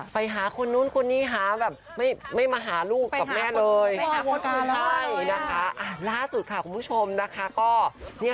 ไปหาคนนู้นคนนี้หาแบบไม่มาหาลูกกับแม่เลย